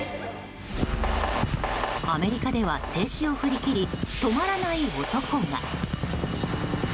アメリカでは制止を振り切り止まらない男が。